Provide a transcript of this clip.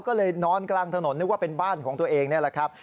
ก็เลยนอนกลางถนนนึกว่าเป็นบ้านของตัวเองนี่แหละครับ